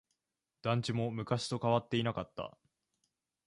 団地も昔と変わっていなかった。